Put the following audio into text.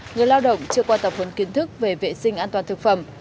người lao động chưa qua tập huấn kiến thức về vệ sinh an toàn thực phẩm